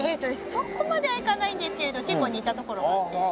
そこまではいかないんですけれど結構似たところがあって健康管理。